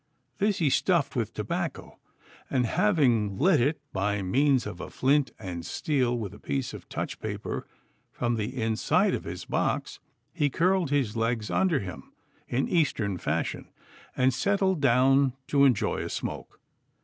This he stuffed with tobacco, and having lit it by means of a flint and steel with a piece of touch paper from the inside of his box, he curled his legs under him in Eastern fashion, and settled down to enjoy a smoke.